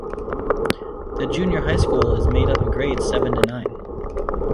The junior high school is made up of grades seven to nine.